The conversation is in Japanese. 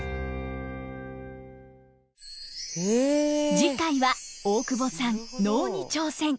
次回は大久保さん能に挑戦。